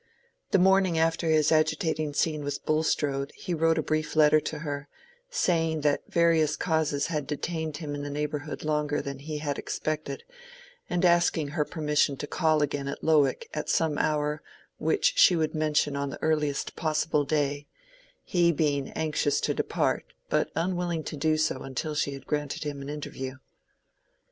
The morning after his agitating scene with Bulstrode he wrote a brief letter to her, saying that various causes had detained him in the neighborhood longer than he had expected, and asking her permission to call again at Lowick at some hour which she would mention on the earliest possible day, he being anxious to depart, but unwilling to do so until she had granted him an interview.